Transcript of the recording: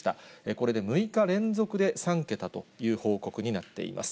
これで６日連続で３桁という報告になっています。